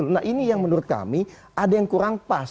nah ini yang menurut kami ada yang kurang pas